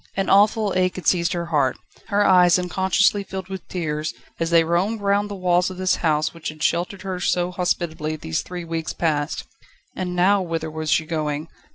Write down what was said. An awful ache had seized her heart; her eyes unconsciously filled with tears, as they roamed round the walls of this house which had sheltered her so hospitably, these three weeks past. And now whither was she going?